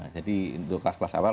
jadi untuk kelas kelas awal